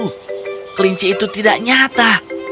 uh kelinci itu tidak nyata